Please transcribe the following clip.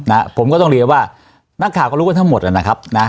นะผมก็ต้องเรียนว่านักข่าวก็รู้กันทั้งหมดนะครับนะ